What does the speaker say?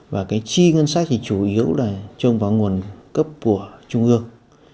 và cái chi ngân sách thì chủ yếu là trông vào nguồn cấp của trung ương